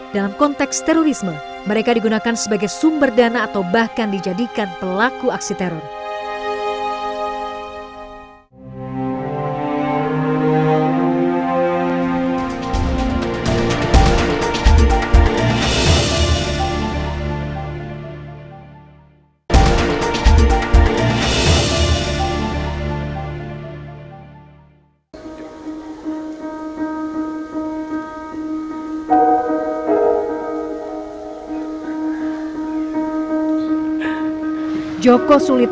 dalam konteks terorisme mereka digunakan sebagai sumber dana atau bahkan dijadikan pelaku aksi teror